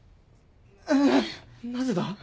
なぜだ？